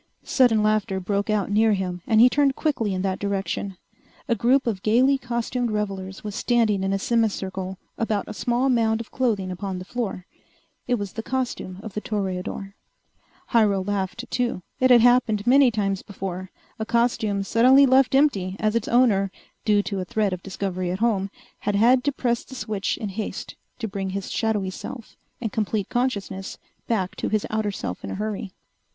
Sudden laughter broke out near him, and he turned quickly in that direction. A group of gaily costumed revelers was standing in a semi circle about a small mound of clothing upon the floor. It was the costume of the toreador. Hyrel laughed, too. It had happened many times before a costume suddenly left empty as its owner, due to a threat of discovery at home, had had to press the switch in haste to bring his shadowy self and complete consciousness back to his outer self in a hurry.